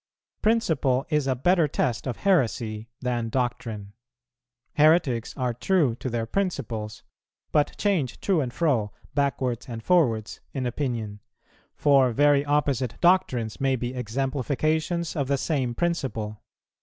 Principle is a better test of heresy than doctrine. Heretics are true to their principles, but change to and fro, backwards and forwards, in opinion; for very opposite doctrines may be exemplifications of the same principle.